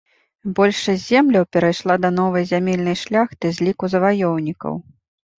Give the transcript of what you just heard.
Большасць земляў перайшла да новай зямельнай шляхты з ліку заваёўнікаў.